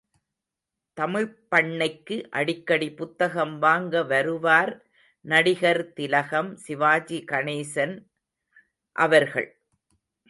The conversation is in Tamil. தமிழ்ப்பண்ணைக்கு அடிக்கடி புத்தகம் வாங்க வருவார் நடிகர் திலகம் சிவாஜிகணேசன் அவர்கள்.